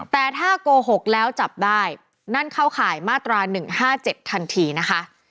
แต่ถ้าโกหกแล้วจับได้นั่นเข้าข่ายมาตรา๑๕๗ทันทีนะคะ